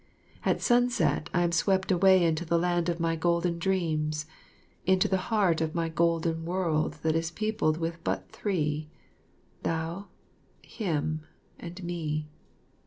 At sunset, I am swept away into the land of my golden dreams, into the heart of my golden world that is peopled with but three Thou, Him, and Me.